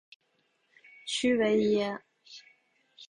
屈维耶。